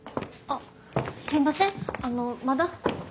あのまだ。